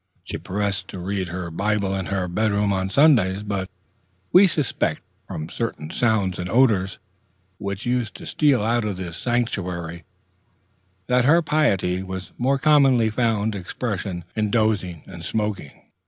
She professed to read her Bible in her bedroom on Sundays; but we suspected, from certain sounds and odors which used to steal out of this sanctuary, that her piety more commonly found expression in dozing and smoking.